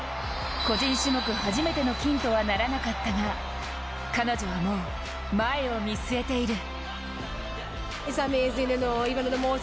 個人種目初めての金とはならなかったが彼女はもう前を見据えている。